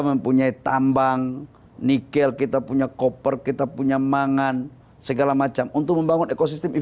mempunyai tambang nikel kita punya koper kita punya mangan segala macam untuk membangun ekosistem